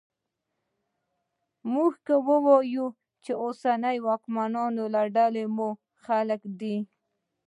موږ که وایوو چې اوسنۍ واکمنه ډله مو خپل خلک دي